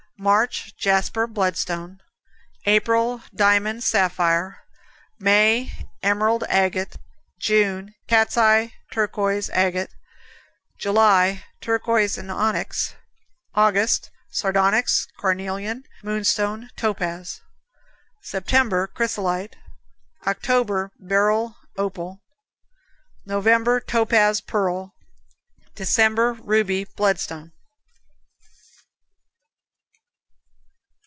March Jasper, bloodstone. April Diamond, sapphire. May Emerald, agate. June Cat's eye, turquoise, agate. July Turquoise, onyx. August Sardonyx, carnelian, moonstone, topaz. September Chrysolite. October Beryl, opal. November Topaz, pearl. December Ruby, bloodstone.